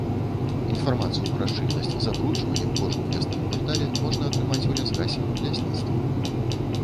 Інфармацыю пра шчыльнасць забруджвання ў кожным лясным квартале можна атрымаць у лясгасе, лясніцтве.